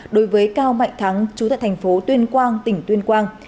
đối với cao mạnh thắng chú tại thành phố tuyên quang tỉnh tuyên quang